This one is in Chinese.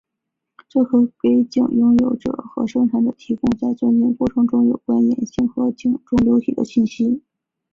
这可给井拥有者和生产者提供在钻井过程中有关岩性和井中流体的信息。